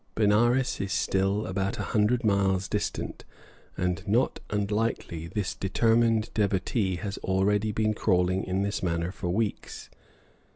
Benares is still about a hundred miles distant, and not unlikely this determined devotee has already been crawling in this manner for weeks.